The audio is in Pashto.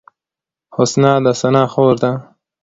حسنا د ثنا خور ده